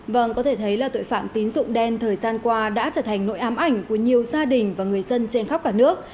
vâng có thể thấy là tội phạm tín dụng đen thời gian qua đã trở thành nội ám ảnh của nhiều gia đình và người dân trên khắp cả nước